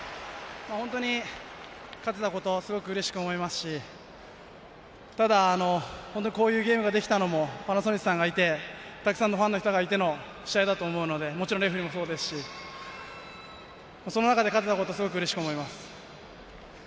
本当に勝てたことをすごくうれしく思いますし、ただ本当にこういうゲームができたのも、パナソニックさんがいて、たくさんのファンの人がいての試合だと思うので、もちろんレフェリーもそうですし、その中で勝てたこと、すごくうれしく思います。